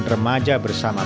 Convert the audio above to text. akar seribu ini juga berjalan